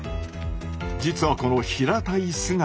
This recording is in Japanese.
実はこの平たい姿。